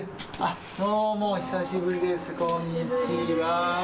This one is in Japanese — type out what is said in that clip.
どうもお久しぶりです、こんにちは。